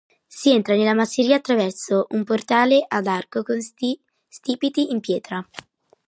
Si entra nella masseria attraverso un portale ad arco con stipiti in pietra.